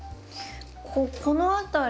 この辺り？